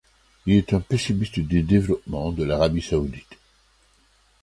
Il est un pessimiste du développement de l'Arabie saoudite.